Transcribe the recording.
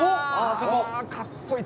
あかっこいい。